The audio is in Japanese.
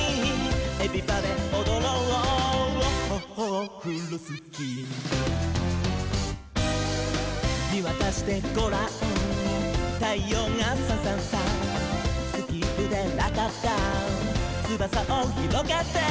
「エビバデおどろうオッホッホオフロスキー」「みわたしてごらんたいようがサンサンサン」「スキップでラタッターつばさをひろげて」